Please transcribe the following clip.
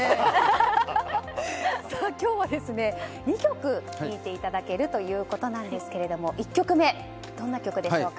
今日は２曲弾いていただけるということなんですが１曲目、どんな曲でしょうか。